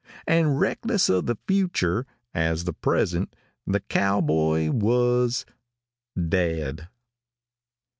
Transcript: ```And reckless of the future, as the present, the cowboy was `````dead.